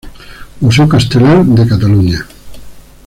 Museo Casteller de Cataluña.